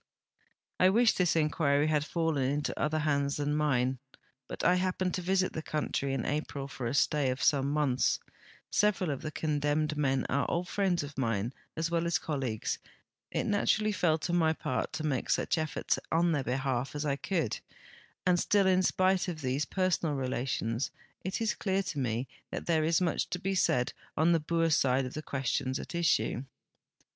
I wish this inquiry had fallen into other hands than mine, l)ut 1 hapi)ened to visit the country in April for a stay of some months; several of the condemned men are old friends of mine as well as colleagues, it naturall}' fell to my part to make such efforts in their behalf as 1 could, and still in spite of these per sonal relations it is clear to me that there is much to be said on the Boer side of the questions at issue.